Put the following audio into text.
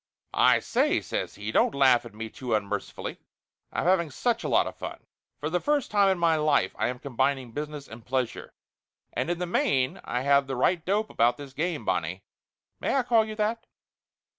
"I say !" says he. "Don't laugh at me too unmerci fully, I'm having such a lot of fun ! For the first time in my life I am combining business and pleasure. And in the main I have the right dope about this game, Bonnie. May I call you that?"